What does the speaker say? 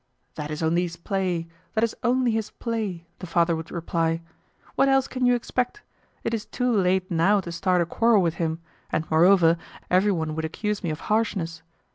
"That is only his play, that is only his play," the father would reply. "What else can you expect? It is too late now to start a quarrel with him, and, moreover, every one would accuse me of harshness.